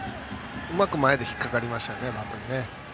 うまく前で引っ掛かりましたね。